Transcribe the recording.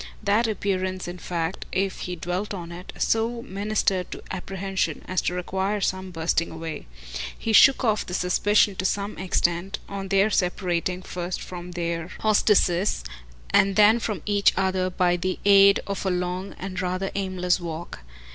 That appearance in fact, if he dwelt on it, so ministered to apprehension as to require some brushing away. He shook off the suspicion to some extent, on their separating first from their hostesses and then from each other, by the aid of a long and rather aimless walk.